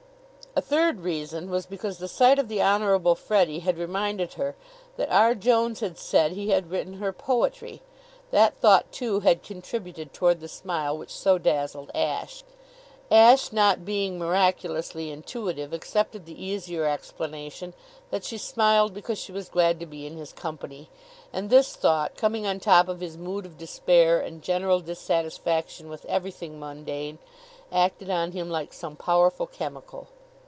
A third reason was because the sight of the Honorable Freddie had reminded her that R. Jones had said he had written her poetry. That thought, too, had contributed toward the smile which so dazzled Ashe. Ashe, not being miraculously intuitive, accepted the easier explanation that she smiled because she was glad to be in his company; and this thought, coming on top of his mood of despair and general dissatisfaction with everything mundane, acted on him like some powerful chemical.